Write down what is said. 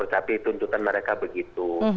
tapi tuntutan mereka begitu